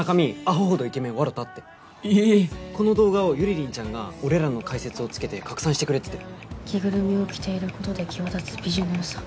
アホ程イケメンわろたってえっこの動画をユリリンちゃんが俺らの解説をつけて拡散してくれてて「着ぐるみを着ていることで際立つビジュの良さ」